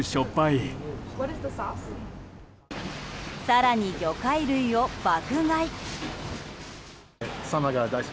更に魚介類を爆買い。